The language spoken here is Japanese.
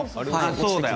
そうだよ。